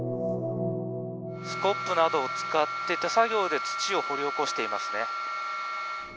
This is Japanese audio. スコップなどを使って、手作業で土を掘り起こしていますね。